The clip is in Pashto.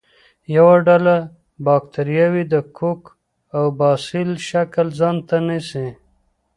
یوه ډله باکتریاوې د کوک او باسیل شکل ځانته نیسي.